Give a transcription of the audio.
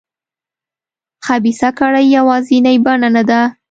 خبیثه کړۍ یوازینۍ بڼه نه ده.